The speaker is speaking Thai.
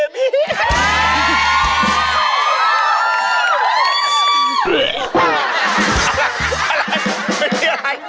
เบบี